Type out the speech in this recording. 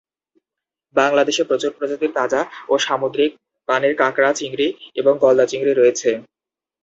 বাংলাদেশে প্রচুর প্রজাতির তাজা ও সামুদ্রিক-পানির কাঁকড়া, চিংড়ি এবং গলদা চিংড়ি হয়েছে।